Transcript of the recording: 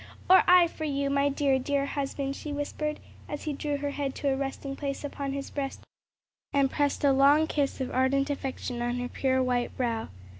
"Or I for you, my dear, dear husband!" she whispered, as he drew her head to a resting place upon his breast and pressed a long kiss of ardent affection on her pure white brow.